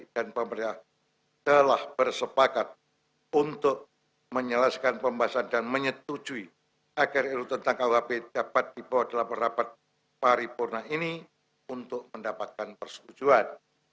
dan pemerintah telah bersepakat untuk menjelaskan pembahasan dan menyetujui agar ruu tentang kuhp dapat dibawa dalam rapat paripurna ini untuk mendapatkan persetujuan